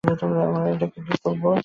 আমরা এটাকে কী করব?